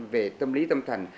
về tâm lý tâm thần